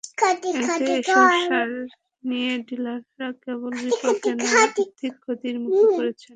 এতে এসব সার নিয়ে ডিলাররা কেবল বিপাকেই নয়, আর্থিক ক্ষতির মুখে পড়েছেন।